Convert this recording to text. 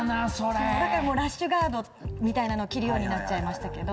だからラッシュガードみたいなのを着るようになっちゃいましたけど。